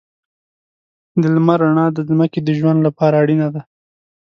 د لمر رڼا د ځمکې د ژوند لپاره اړینه ده.